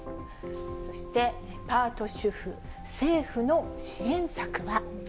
そしてパート主婦、政府の支援策は。